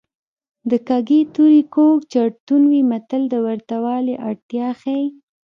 د کږې تورې کوږ چړتون وي متل د ورته والي اړتیا ښيي